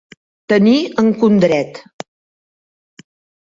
Tenir en condret.